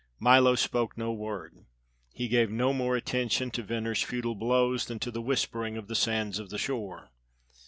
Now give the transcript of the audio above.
Milo spoke no word. He gave no more attention to Venner's futile blows than to the whispering of the sands of the shore.